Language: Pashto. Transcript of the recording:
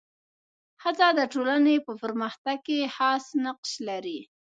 ښځه د ټولني په پرمختګ کي خاص نقش لري.